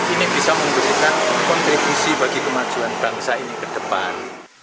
ini bisa memberikan kontribusi bagi kemajuan bangsa ini ke depan